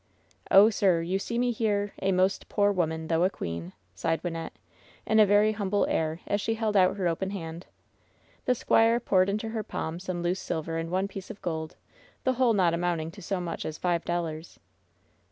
" ^Oh, sir, you see me here, A most poor woman, though a queen,' " Bighed Wynnette, in a very humble air, as she held out her open hand. The squire poured into her palm some loose silver and one piece of gold — ^the whole not amounting to so much as fiye dollars.